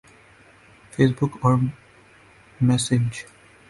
face بک اور messenger